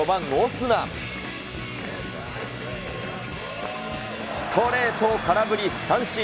ストレートを空振り三振。